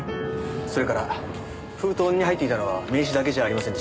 それから封筒に入っていたのは名刺だけじゃありませんでした。